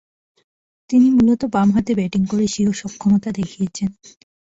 তিনি মূলতঃ বামহাতে ব্যাটিং করে স্বীয় সক্ষমতা দেখিয়েছেন।